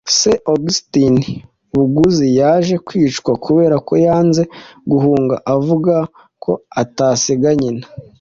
se Augustin Buguzi yaje kwicwa kubera ko yanze guhunga avuga ko atasiga nyina